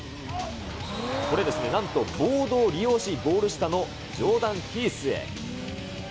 これですね、なんとボードを利用し、ゴール下のジョーダン・ヒースへ。